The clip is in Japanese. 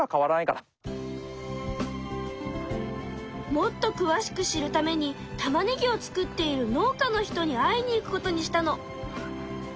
もっと詳しく知るためにたまねぎを作っている農家の人に会いに行くことにしたの。